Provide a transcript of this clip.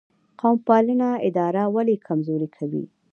قوم پالنه اداره ولې کمزورې کوي؟